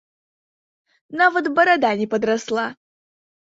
Нават барада не падрасла.